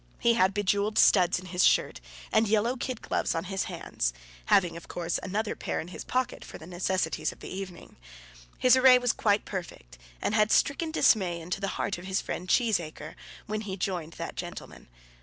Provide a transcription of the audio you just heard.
He had bejewelled studs in his shirt, and yellow kid gloves on his hands; having, of course, another pair in his pocket for the necessities of the evening. His array was quite perfect, and had stricken dismay into the heart of his friend Cheesacre, when he joined that gentleman.